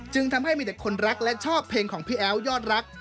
ทำให้มีแต่คนรักและชอบเพลงของพี่แอ๋วยอดรัก